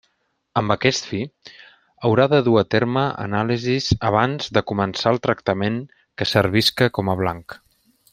Amb aquest fi, haurà de dur a terme anàlisis abans de començar el tractament que servisca com a blanc.